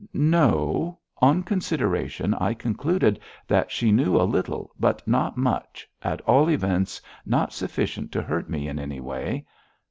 'No. On consideration, I concluded that she knew a little, but not much at all events, not sufficient to hurt me in any way.